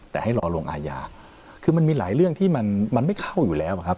แต่ให้รอลงอาญาคือมันมีหลายเรื่องที่มันไม่เข้าอยู่แล้วอะครับ